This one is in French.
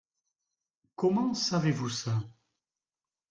Comment savez-vous ça ?